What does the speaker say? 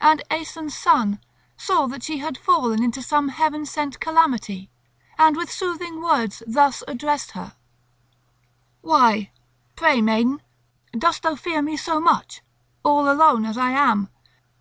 And Aeson's son saw that she had fallen into some heaven sent calamity, and with soothing words thus addressed her: "Why, pray, maiden, dost thou fear me so much, all alone as I am?